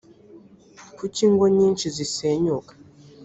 kuki ingo nyinshi zisenyuka